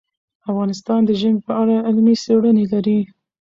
افغانستان د ژمی په اړه علمي څېړنې لري.